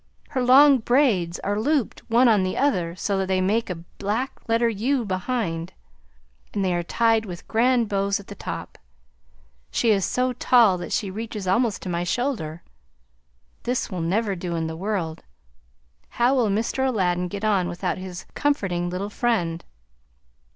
Her long braids are looped one on the other so that they make a black letter U behind, and they are tied with grand bows at the top! She is so tall that she reaches almost to my shoulder. This will never do in the world! How will Mr. Aladdin get on without his comforting little friend!